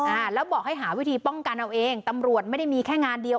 อ่าแล้วบอกให้หาวิธีป้องกันเอาเองตำรวจไม่ได้มีแค่งานเดียว